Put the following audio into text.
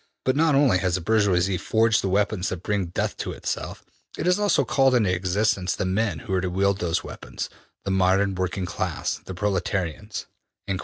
But not only has the bourgoisie forged the weapons that bring death to itself; it has also called into existence the men who are to wield those weapons the modern working class the proletarians.''